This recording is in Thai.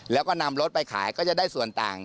แล้วก็นำรถไปขายก็จะได้ส่วนต่าง